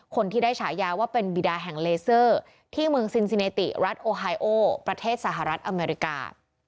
คนที่ได้ฉายาว่าเป็นบิดาแห่งเลเซอร์ที่เมืองซินซิเนติรัฐโอไฮโอประเทศสหรัฐอเมริกา